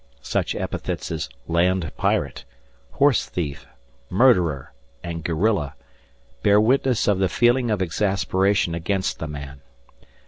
Such epithets as "land pirate", "horse thief", "murderer", and "guerrilla" bear witness of the feeling of exasperation against the man.